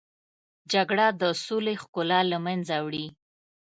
جګړه د سولې ښکلا له منځه وړي